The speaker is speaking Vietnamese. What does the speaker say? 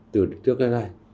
từ trước đến nay